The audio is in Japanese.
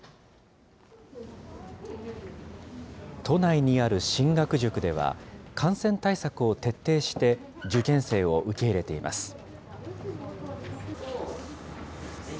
都内にある進学塾では、感染対策を徹底して、受験生を受け入れています。